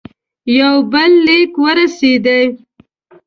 یو بل لیک ورسېدی.